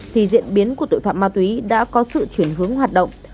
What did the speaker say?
thì diễn biến của tội phạm ma túy đã có sự chuyển hướng hoạt động